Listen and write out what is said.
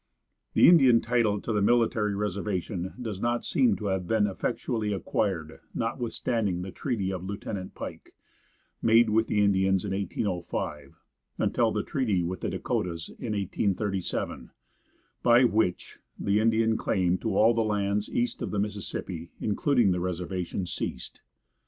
The Indian title to the military reservation does not seem to have been effectually acquired, notwithstanding the treaty of Lieutenant Pike, made with the Indians in 1805, until the treaty with the Dakotas, in 1837, by which the Indian claim to all the lands east of the Mississippi, including the reservation, ceased.